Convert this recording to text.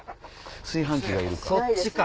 炊飯器がいるか。